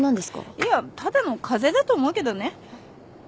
いやただの風邪だと思うけどね。